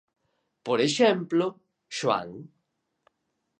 Por exemplo: Xoán.